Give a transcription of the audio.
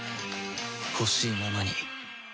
ほしいままに